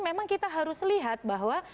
memang kita harus lihat bahwa